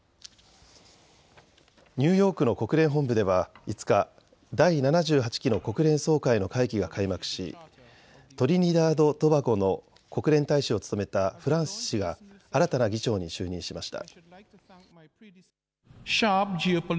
ニューヨークの国連本部では５日、第７８期の国連総会の会期が開幕しトリニダード・トバゴの国連大使を務めたフランシス氏が新たな議長に就任しました。